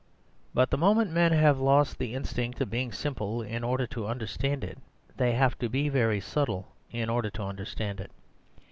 But the moment men have lost the instinct of being simple in order to understand it, they have to be very subtle in order to understand it.